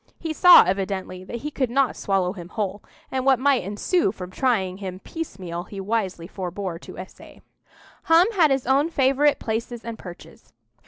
He saw evidently that he could not swallow him whole, and what might ensue from trying him piecemeal he wisely forbore to essay. Hum had his own favourite places and perches.